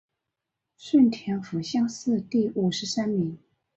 顺天府乡试第五十三名。